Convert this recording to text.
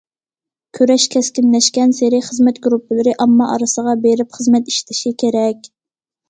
كۈرەش كەسكىنلەشكەنسېرى، خىزمەت گۇرۇپپىلىرى ئامما ئارىسىغا بېرىپ خىزمەت ئىشلىشى كېرەك.